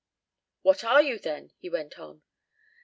'" "What are you then?" he went on.